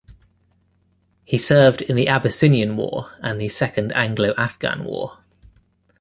He served in the Abyssinian War and the Second Anglo-Afghan War.